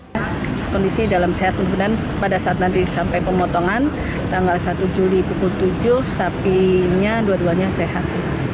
pemeriksaan pertama dilakukan pada saat nanti sampai pemotongan tanggal satu juli pukul tujuh sapinya dua duanya sehat